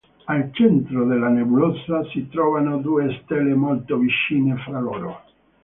Al centro della nebulosa si trovano due stelle molto vicine fra loro.